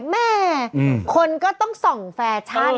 แม่คนก็ต้องส่องแฟชั่น